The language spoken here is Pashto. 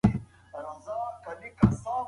د خیبر لاره د سوداګرۍ لپاره ده.